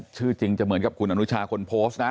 ชื่อจริงจะเหมือนกับคุณอนุชาคนโพสต์นะ